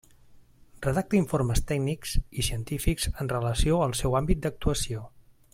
Redacta informes tècnics i científics en relació al seu àmbit d'actuació.